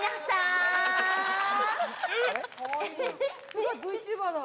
スゴいＶＴｕｂｅｒだ。